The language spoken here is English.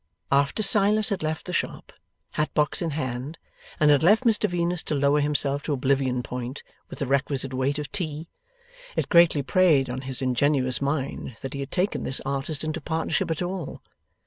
After Silas had left the shop, hat box in hand, and had left Mr Venus to lower himself to oblivion point with the requisite weight of tea, it greatly preyed on his ingenuous mind that he had taken this artist into partnership at all.